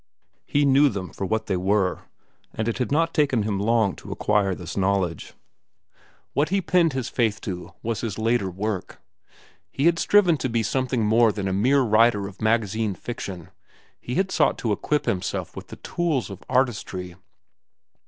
He knew them for what they were, and it had not taken him long to acquire this knowledge. What he pinned his faith to was his later work. He had striven to be something more than a mere writer of magazine fiction. He had sought to equip himself with the tools of artistry.